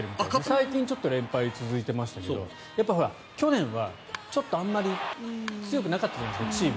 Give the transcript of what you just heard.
最近は連敗続いてたけど去年はちょっとチームがあまり強くなかったじゃないですか。